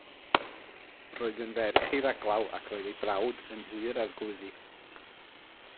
Roedd yn ferch i raglaw ac roedd ei brawd yn Nhŷ'r Arglwyddi.